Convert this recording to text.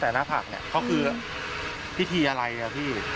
แต่หน้าผักเนี่ยเขาคือพิธีอะไรอ่ะพี่